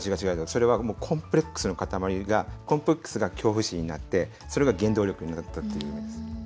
それはコンプレックスの塊がコンプレックスが恐怖心になって、それが原動力になったっていうわけです。